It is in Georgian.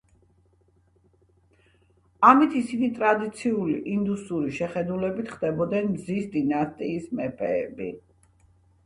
ამით ისინი ტრადიციული ინდუსური შეხედულებით ხდებოდნენ მზის დინასტიის მეფეები.